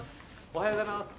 おはようございます。